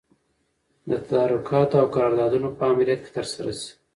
د تدارکاتو او قراردادونو په امریت کي ترسره سي.